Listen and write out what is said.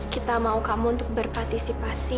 kita mau kamu untuk berpartisipasi